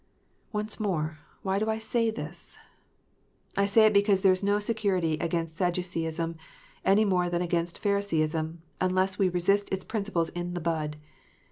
Once more, why do I say this *? I say it because there is no security against Sadduceeism, any more than against Pharisee ism, unless we resist its principles in the bud.